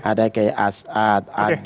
ada kiai as'ad